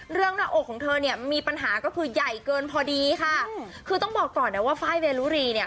หน้าอกของเธอเนี่ยมีปัญหาก็คือใหญ่เกินพอดีค่ะคือต้องบอกก่อนนะว่าไฟล์เวรุรีเนี่ย